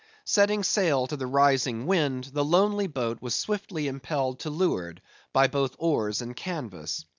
Setting sail to the rising wind, the lonely boat was swiftly impelled to leeward, by both oars and canvas.